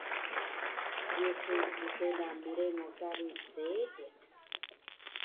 Ye su mkela mrengo kari Seediq?